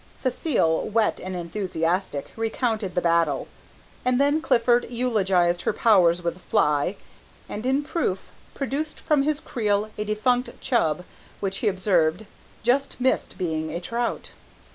Cécile, wet and enthusiastic, recounted the battle, and then Clifford eulogized her powers with the fly, and, in proof, produced from his creel a defunct chub, which, he observed, just missed being a trout.